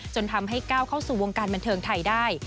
จนทำให้ก้าวเข้าสู่วงการบันเทิงไทยได้